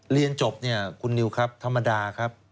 เรียนจบเนี่ยคุณนิวครับธรรมดาครับ